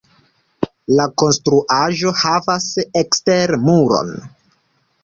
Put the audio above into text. La konstruaĵo havas ekstere muron.